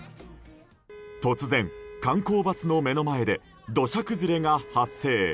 突然、観光バスの目の前で土砂崩れが発生。